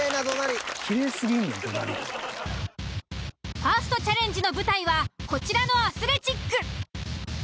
ファーストチャレンジの舞台はこちらのアスレチック。